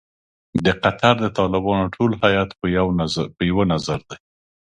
د قطر د طالبانو ټول هیات په یوه نظر دی.